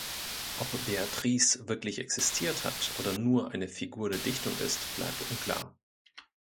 Ob Beatrice wirklich existiert hat oder nur eine Figur der Dichtung ist, bleibt unklar.